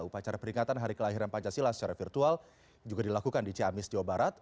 upacara peringatan hari kelahiran pancasila secara virtual juga dilakukan di ciamis jawa barat